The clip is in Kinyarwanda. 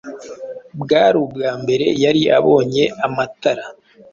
bwari ubwambere yari abonye amatara.